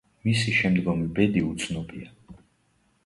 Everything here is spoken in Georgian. მისი შემდგომი ბედი უცნობია.